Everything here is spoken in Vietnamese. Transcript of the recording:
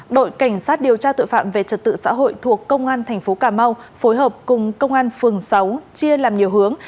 đội cảnh sát điều tra tội phạm về trật tự xã hội thuộc công an thành phố cà mau phối hợp cùng công an phường sáu chia làm nhiều hướng